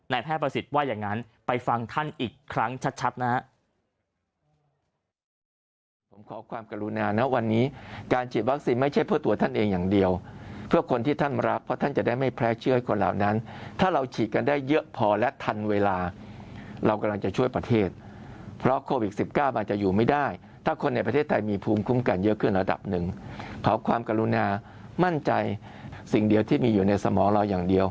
แพทย์ประสิทธิ์ว่าอย่างนั้นไปฟังท่านอีกครั้งชัดนะฮะ